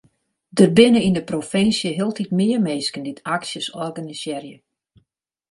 Der binne yn de provinsje hieltyd mear minsken dy't aksjes organisearje.